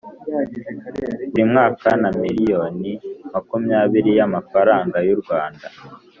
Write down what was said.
buri mwaka na miriyoni makumyabiri y’amafaranga y’ u Rwanda